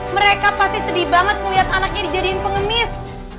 mereka pasti sedih banget ngeliat anaknya dijadiin pengemis